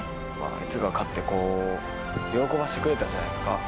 あいつが勝って喜ばせてくれたじゃないですか。